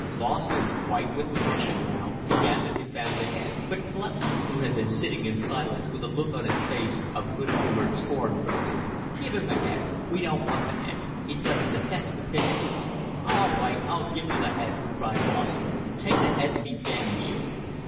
Lawson, white with passion now, began to defend the head; but Clutton, who had been sitting in silence with a look on his face of good humoured scorn, broke in. "Give him the head. We don't want the head. It doesn't affect the picture." "All right, I'll give you the head," cried Lawson. "Take the head and be damned to you."